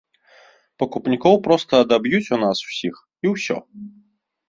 Пакупнікоў проста адаб'юць у нас усіх, і ўсё.